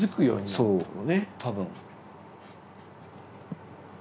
そう多分。